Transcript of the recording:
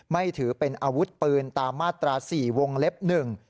ไม่ถือเป็นอาวุธปืนตามมาตราสี่วงเล็บหนึ่ง